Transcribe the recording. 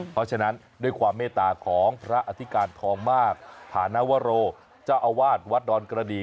เพราะฉะนั้นด้วยความเมตตาของพระอธิการทองมากฐานวโรเจ้าอาวาสวัดดอนกระดี